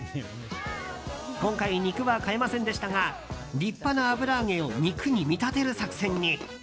今回、肉は買えませんでしたが立派な油揚げを肉に見立てる作戦に。